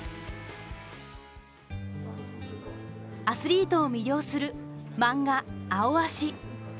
アスリートを魅了するマンガ「アオアシ」。